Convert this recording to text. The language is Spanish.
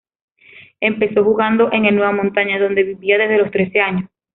Empezó jugando en el Nueva Montaña, donde vivía desde los trece años.